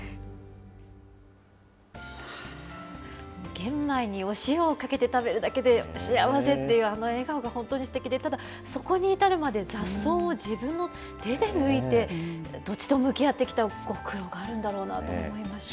玄米にお塩をかけて食べるだけで、幸せっていうあの笑顔が本当にすてきで、ただそこに至るまで、雑草を自分の手で抜いて、土地と向き合ってきたご苦労があるんだろうなと思いました。